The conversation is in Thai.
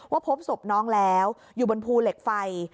พบศพน้องแล้วอยู่บนภูเหล็กไฟ